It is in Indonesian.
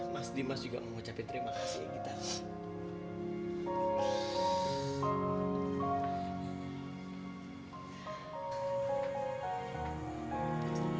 mas timas juga mengucapkan terima kasih ya gita